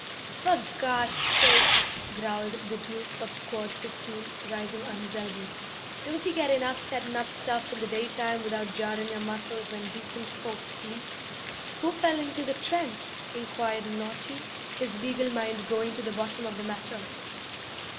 'For Gawd's sake,' growled the Duke of Squad 15, rising on his elbow, 'don't you get enough settin' up stuff in the daytime without jarrin' your muscles when decent folks sleep?' 'Who fell into the trench?' inquired Naughty, his legal mind going to the bottom of the matter.